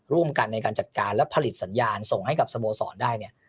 ร่วมกันในการจัดการและผลิตสัญญาณส่งให้กับสโมสรได้เนี่ย